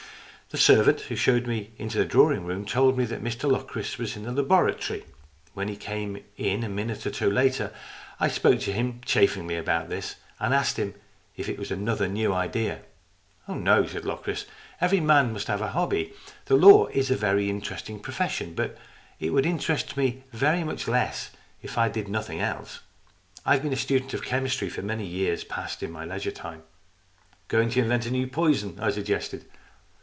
The servant, who showed me into the drawing room, told me that Mr Locris was in the laboratory. When he came in a minute or two later, I spoke to him chaffingly about this, and asked him if it was another new idea. " Oh, no," said Locris. " Every man must have a hobby. The law is a very interesting profession, but it would interest me very much less if I did nothing else. I have been a student of chemistry for many years past in my leisure time." " Going to invent a new poison ?" I suggested.